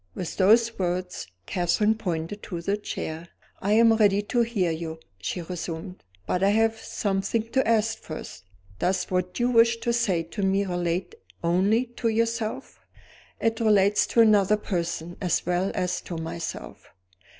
With those words, Catherine pointed to the chair. "I am ready to hear you," she resumed "but I have something to ask first. Does what you wish to say to me relate only to yourself?" "It relates to another person, as well as to myself."